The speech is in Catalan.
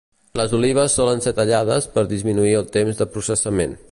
Les olives solen ser tallades per disminuir el temps de processament.